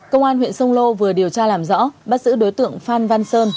công an huyện sông lô vừa điều tra làm rõ bác sĩ đối tượng phan văn sơn